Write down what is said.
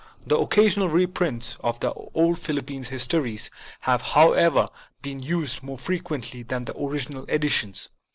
The occasional reprints of the old Philippine histories have, however, been used more fre quently than the original editions.